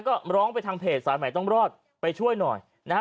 ก็ร้องไปทางเพจสายใหม่ต้องรอดไปช่วยหน่อยนะฮะ